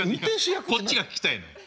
こっちが聞きたいの。